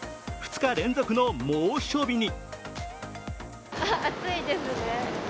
２日連続の猛暑日に。